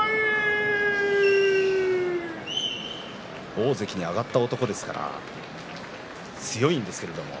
大関に上がった男ですから強いんですけれども。